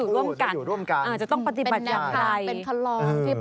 ได้อยู่ร่วมกันจะต้องปฏิบัติอย่างไรฮีดพ่อครองเป็นครอง